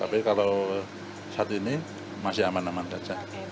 tapi kalau saat ini masih aman aman saja